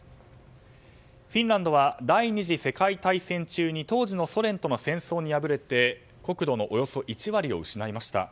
フィンランドは第２次世界大戦中に当時のソ連との戦争に敗れて、国土のおよそ１割を失いました。